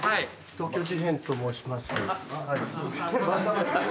東京事変と申します。